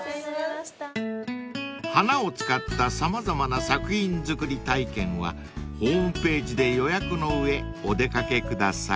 ［花を使った様々な作品作り体験はホームページで予約の上お出掛けください］